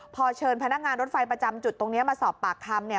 พอเชิญพนักงานรถไฟประจำจุดตรงนี้มาสอบปากคำเนี่ย